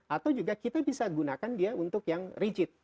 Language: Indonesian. atau juga kita bisa gunakan dia untuk yang rigid